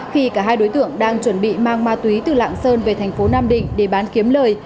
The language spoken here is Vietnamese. khi cả hai đối tượng đang chuẩn bị mang ma túy từ lạng sơn về thành phố nam định để bán kiếm lời